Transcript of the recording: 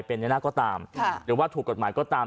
เป็นไงน่าก็ตามครับหรือว่าถูกกฎหมายก็ตาม